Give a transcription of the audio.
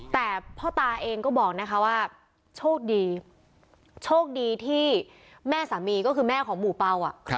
แต่พ่อตาเองก็บอกนะคะว่าโชคดีโชคดีที่แม่สามีก็คือแม่ของหมู่เป่า